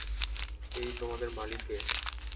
এই, তোমাদের মালী কে?